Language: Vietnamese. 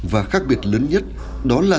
và khác biệt lớn nhất đó là